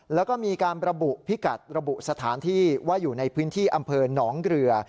แล้วก็มีการระบุพิกัดระบุสถานที่ว่าอยู่ในพื้นที่อำเภอหนองเกลือ